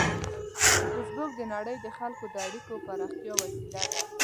فېسبوک د نړۍ د خلکو د اړیکو د پراختیا وسیله ده